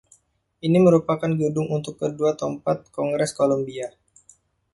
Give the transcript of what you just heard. Ini merupakan gedung untuk kedua tempat Kongres Kolombia.